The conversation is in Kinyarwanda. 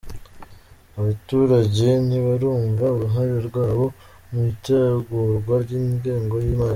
Abaturage ntibarumva uruhare rwabo mu itegurwa ry’Ingengo y’imari